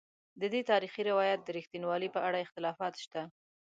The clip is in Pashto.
ددې تاریخي روایت د رښتینوالي په اړه اختلافات شته.